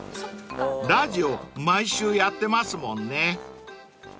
［ラジオ毎週やってますもんね］